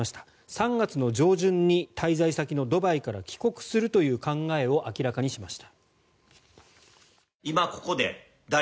３月の上旬に滞在先のドバイから帰国するという考えを明らかにしました。